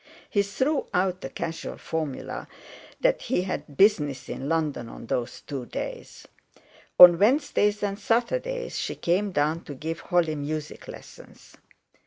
He threw out the casual formula that he had business in London on those two days. On Wednesdays and Saturdays she came down to give Holly music lessons.